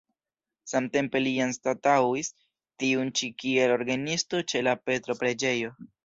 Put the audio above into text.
Samtempe li anstataŭis tiun ĉi kiel orgenisto ĉe la Petro-preĝejo.